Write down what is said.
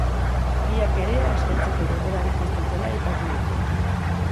Biek ere, aspertzeko denborarik ez dutela aipatu dute.